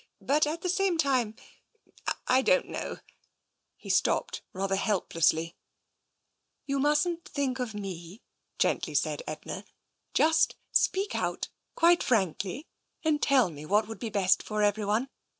But at the same time — I don't know " He stopped rather helplessly. " You mustn't think of me," gently said Edna. " Just speak out, quite frankly, and tell me what would be best for everyone.